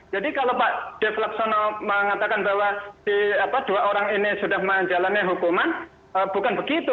jadi kalau pak dave lapsono mengatakan bahwa dua orang ini sudah menjalani hukuman bukan begitu